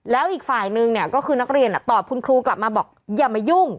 แล้วอีกฝ่ายนึงเนี่ยก็คือนักเรียนตอบคุณครูกลับมาบอกอย่ามายุ่ง